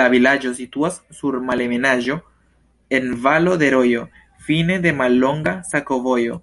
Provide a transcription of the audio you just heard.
La vilaĝo situas sur malebenaĵo, en valo de rojo, fine de mallonga sakovojo.